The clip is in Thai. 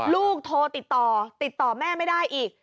ลูกโทรติดต่อติดต่อแม่ไม่ได้อีก